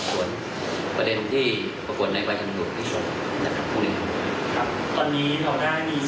ไปสอบส่วนประเด็นที่ประกวดในวัยธรรมดุที่ส่งนะครับคุณลิงครับ